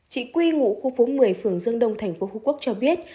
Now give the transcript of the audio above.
chị quy ngũ khu phố một mươi phường dương đông tp phú quốc cho biết